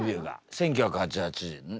１９８８年ねっ。